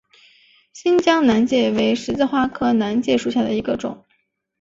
新疆南芥为十字花科南芥属下的一个种。